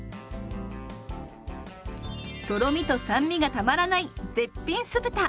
とろみと酸味がたまらない絶品酢豚！